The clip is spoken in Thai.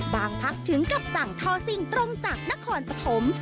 พักถึงกับสั่งทอสิ่งตรงจากนครปฐม